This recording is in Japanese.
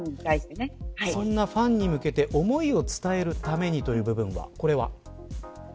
そんなファンに向けて思いを伝えるためにという部分。